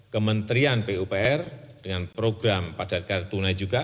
kementerian pupr dengan program padat kartu tunai juga